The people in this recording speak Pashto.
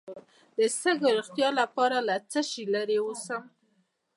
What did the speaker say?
د سږو د روغتیا لپاره له څه شي لرې اوسم؟